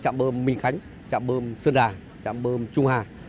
mình khánh chạm bơm xuân đà chạm bơm trung hà